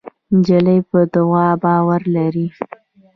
نجلۍ په دعا باور لري.